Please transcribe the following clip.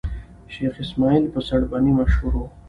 شېخ اسماعیل په سړبني مشهور وو.